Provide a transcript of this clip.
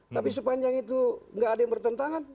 tapi sepanjang itu nggak ada yang bertentangan